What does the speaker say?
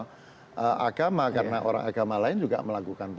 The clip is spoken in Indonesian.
karena orang agama karena orang agama lain juga melakukan puasa